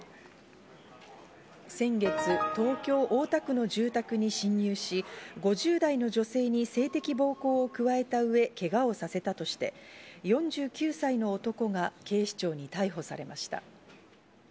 先月、東京・大田区の住宅に侵入し、５０代の女性に性的暴行を加えたうえ、けがをさせたとして、４９歳の男が警視庁に逮捕されました。